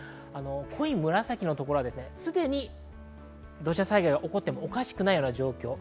濃い紫のところはすでに土砂災害が起こってもおかしくない状況です。